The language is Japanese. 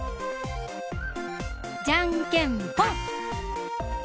じゃんけんぽん！